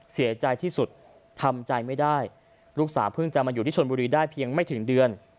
เสียใจที่สุดทำใจไม่ได้ลูกสาวเพิ่งจะมาอยู่ที่ชนบุรีได้เพียงไม่ถึงเดือน